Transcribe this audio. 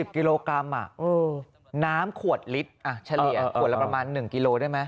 ๑กิโลกรัมน้ำขวดลิตรเฉลี่ยขวดละประมาณ๑กิโลได้ไหม